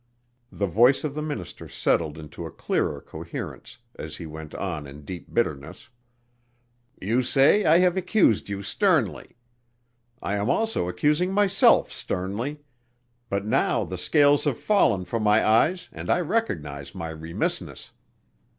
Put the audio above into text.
The voice of the minister settled into a clearer coherence as he went on in deep bitterness. "You say I have accused you sternly. I am also accusing myself sternly but now the scales have fallen from my eyes and I recognize my remissness.